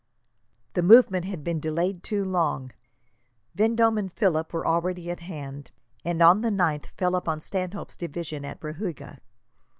The movement had been delayed too long. Vendome and Philip were already at hand, and on the 9th fell upon Stanhope's division at Brihuega.